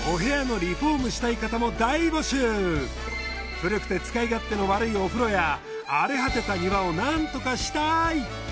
古くて使い勝手の悪いお風呂や荒れ果てた庭をなんとかしたい！